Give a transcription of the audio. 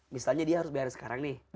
misalnya dia harus bayar sekarang nih